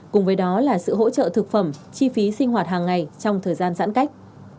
cùng với đó là sự hỗ trợ thực phẩm chi phí sinh hoạt hàng ngày trong thời gian giãn cách